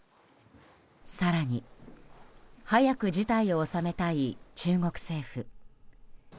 更に早く事態を収めたい中国政府。